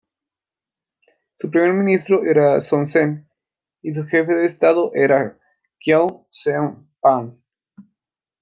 Su Primer ministro era Son Sen, y su jefe de estado era Khieu Samphan.